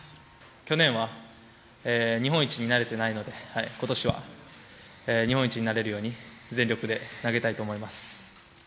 去年は日本一になれてないので今年は日本一になれるように全力で投げたいと思います。